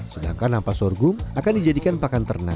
sedangkan ampas sorghum akan dijadikan pakan ternak